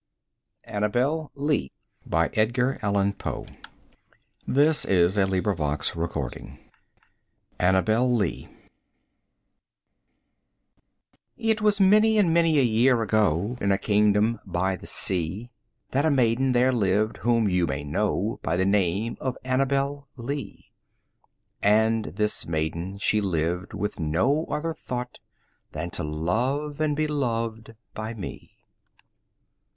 lls, bells, bells To the moaning and the groaning of the bells. ANNABEL LEE It was many and many a year ago, In a kingdom by the sea, That a maiden there lived whom you may know By the name of Annabel Lee; And this maiden she lived with no other thought 5 Than to love and be loved by me.